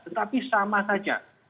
tetapi sama saja